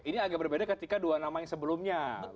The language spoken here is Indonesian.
ini agak berbeda ketika dua nama yang sebelumnya